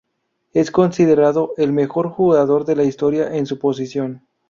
Es considerado el mejor jugador de la historia en su posición.